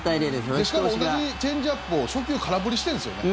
しかも同じチェンジアップを初球、空振りしているんですね。